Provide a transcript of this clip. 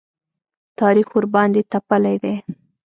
تاریخ ورباندې تپلی دی.